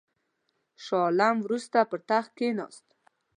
شاه عالم وروسته پر تخت کښېنست.